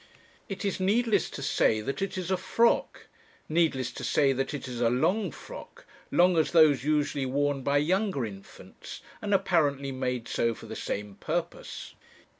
It is needless to say that it is a frock; needless to say that it is a long frock long as those usually worn by younger infants, and apparently made so for the same purpose.